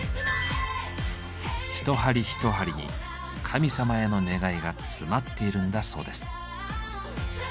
一針一針に神様への願いが詰まっているんだそうです。